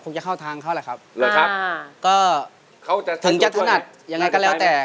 จะเข้าทางเขาแหละครับนะครับก็เขาจะถึงจะถนัดยังไงก็แล้วแต่